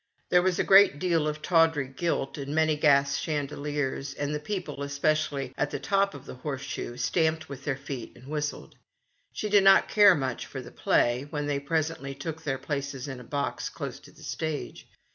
There was a great deal of tawdry gilt, and many gas chandeliers, and the people, espe cially at the top of the horseshoe, stamped with their feet and whistled. She did not care much for the play, when they presently took their places in a box close to the stage.